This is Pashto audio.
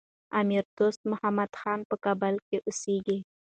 امیر دوست محمد خان په کابل کي اوسېږي.